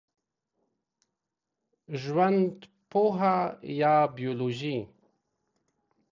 ژوندپوهه یا بېولوژي